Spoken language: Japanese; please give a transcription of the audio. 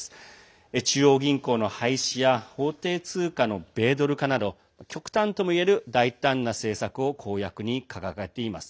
中央銀行の廃止や法定通貨の米ドル化など極端ともいえる大胆な政策を公約に掲げています。